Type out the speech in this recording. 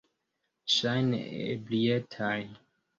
Ŝajne, ebrietaj.